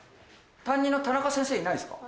担任のタナカ先生いないですか？